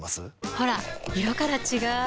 ほら色から違う！